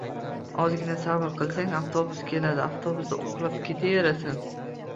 Ozgina sabr qilsang, avtobus keladi. Avtobusda uxlab ketaverasan.